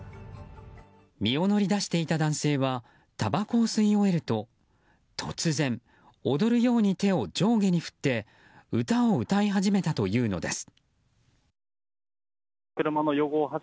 身を乗り出していた男性はたばこを吸い終えると突然、踊るように手を上下に振って歌を歌い始めたというのです。